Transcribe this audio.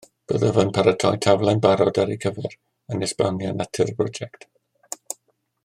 Byddaf yn paratoi taflen barod ar eu cyfer yn esbonio natur y prosiect